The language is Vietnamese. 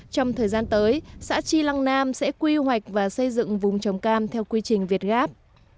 trong thời gian tới xã tri lăng nam sẽ quy hoạch và xây dựng vùng trồng cam theo quy trình việt gáp